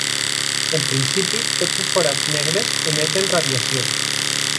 En principi, tots els forats negres emeten radiació.